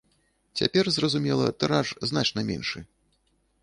Цяпер, зразумела, тыраж значна меншы.